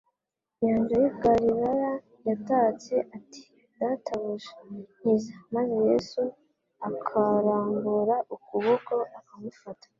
nyanja y'i Galilaya yatatse ati: «Databuja nkiza"» maze Yesu akarambura ukuboko akamufata;